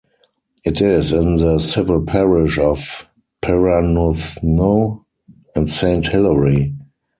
It is in the civil parish of Perranuthnoe and Saint Hilary.